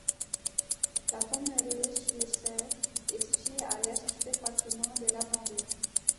La Pommeraie-sur-sèvre est situé à l'est du département de la Vendée.